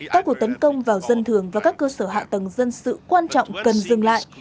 các cuộc tấn công vào dân thường và các cơ sở hạ tầng dân sự quan trọng cần dừng lại